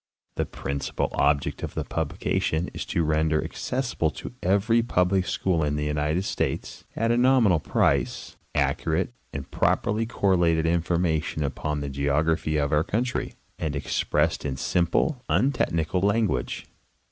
The principal object of the publication is to render accessible to every public school in the United States, at a nominal price, accurate and properly correlated information upon the geog raphy of our country, and expressed in simple, untechnical language.